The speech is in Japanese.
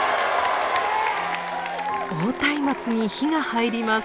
大松明に火が入ります。